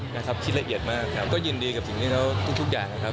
นะครับคิดละเอียดมากครับก็ยินดีกับสิ่งที่เขาทุกทุกอย่างนะครับ